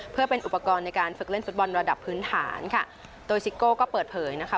เพื่อเป็นอุปกรณ์ในการฝึกเล่นฟุตบอลระดับพื้นฐานค่ะโดยซิโก้ก็เปิดเผยนะคะ